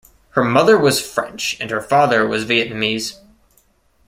Her mother was French and her father was Vietnamese.